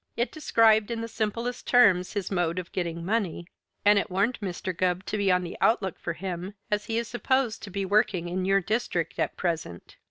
It described in the simplest terms his mode of getting money and it warned Mr. Gubb to be on the outlook for him "as he is supposed to be working in your district at present."